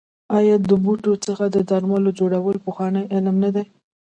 آیا د بوټو څخه د درملو جوړول پخوانی علم نه دی؟